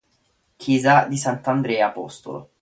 Chiesa di Sant'Andrea Apostolo